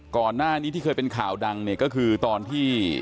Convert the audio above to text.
ก่อนหน้านี้ที่เคยเป็นข่าวดังเนี่ยก็คือตอนที่